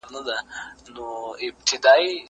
زه ليکنې نه کوم!؟